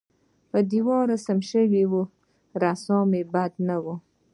پر دېوال رسم شوې رسامۍ بدې نه وې.